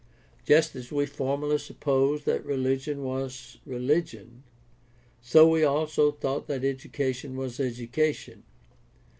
Just as we formerly supposed that religion was religion, so we also thought that education was education.